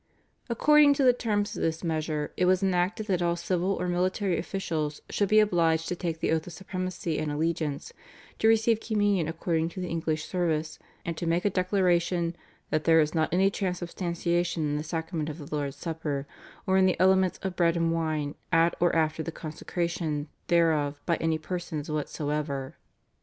According to the terms of this measure it was enacted that all civil or military officials should be obliged to take the oath of supremacy and allegiance, to receive Communion according to the English service, and to make a declaration "that there is not any Transubstantiation in the sacrament of the Lord's Supper, or in the elements of bread and wine at or after the consecration thereof by any persons whatsoever."